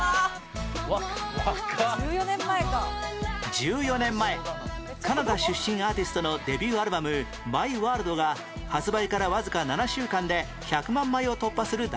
１４年前カナダ出身アーティストのデビューアルバム『ＭＹＷＯＲＬＤ』が発売からわずか７週間で１００万枚を突破する大ヒット